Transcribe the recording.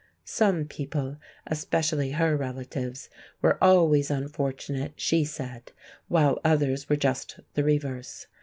Some people, especially her relatives, were always unfortunate, she said, while others were just the reverse.